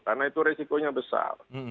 karena itu resikonya besar